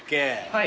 はい。